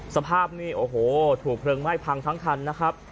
สภาพนี่โอ้โหถูกเพลิงไหม้พังทั้งคันนะครับ